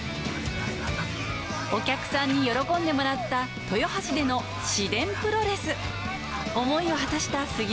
お客さんに喜んでもらった豊橋での市電プロレス。